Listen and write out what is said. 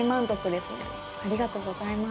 ありがとうございます。